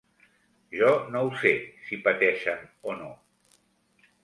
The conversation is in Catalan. Jo no ho sé, si pateixen o no.